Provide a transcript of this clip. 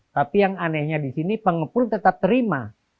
tapi yang anehnya di sini pengepul tetap terima